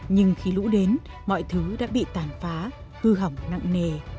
nhưng khi lũ đến mọi thứ đã bị tàn phá hư hỏng nặng nề